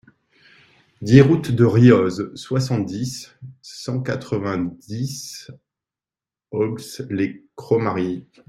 dix route de Rioz, soixante-dix, cent quatre-vingt-dix, Aulx-lès-Cromary